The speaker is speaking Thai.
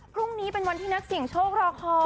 พรุ่งนี้เป็นวันที่นักเสี่ยงโชครอคอ